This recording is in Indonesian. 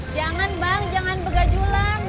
jangan bang jangan begajulang